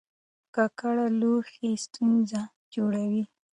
ککړ لوښي ستونزه جوړوي.